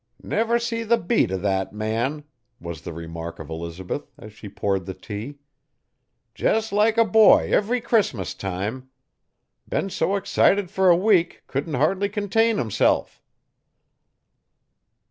'Never see the beat o' that man!' was the remark of Elizabeth, as she poured the tea. 'Jes' like a boy ev'ry Crissmus time. Been so excited fer a week couldn't hardly contain himself.'